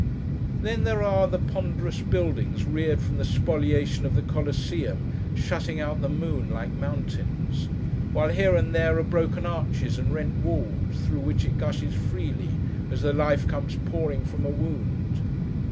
Then, there are the ponderous buildings reared from the spoliation of the Coliseum, shutting out the moon, like mountains: while here and there, are broken arches and rent walls, through which it gushes freely, as the life comes pouring from a wound.